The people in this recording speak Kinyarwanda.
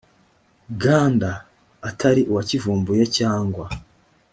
nganda atari uwakivumbuye cyangwa